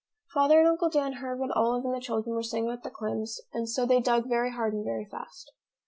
Father and Uncle Dan heard what Olive and the children were saying about the clams, and so they dug very hard and very fast.